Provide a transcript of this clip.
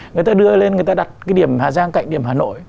người ta đưa lên người ta đặt cái điểm hà giang cạnh điểm hà nội